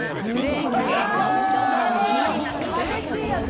激しいやつ。